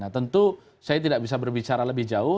tentu saya tidak bisa berbicara lebih jauh